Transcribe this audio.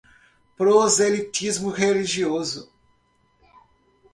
Proselitismo religioso